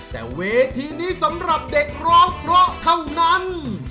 แต่เวทีนี้สำหรับเด็กร้องเพราะเท่านั้น